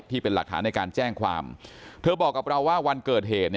ที่เป็นหลักฐานในการแจ้งความเธอบอกกับเราว่าวันเกิดเหตุ